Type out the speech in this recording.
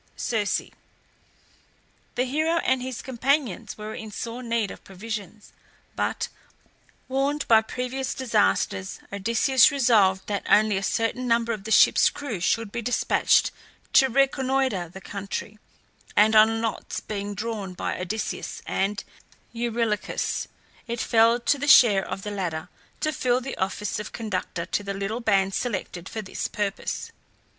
CIRCE. The hero and his companions were in sore need of provisions, but, warned by previous disasters, Odysseus resolved that only a certain number of the ship's crew should be despatched to reconnoitre the country; and on lots being drawn by Odysseus and Eurylochus, it fell to the share of the latter to fill the office of conductor to the little band selected for this purpose.